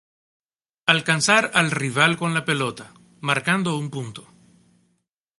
Alcanzar al rival con la pelota, marcando un punto.